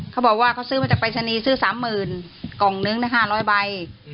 เขาบอกว่าเขาซื้อมาจากปรายศนีย์ซื้อ๓๐๐๐กล่องนึงนะ๕๐๐ใบ